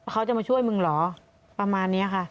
เขาจะมาช่วยมึงเหรอประมาณนี้ค่ะ